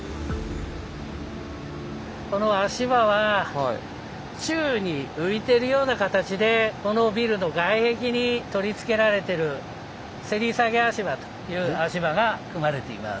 この足場は宙に浮いてるような形でこのビルの外壁に取り付けられてるせり下げ足場という足場が組まれています。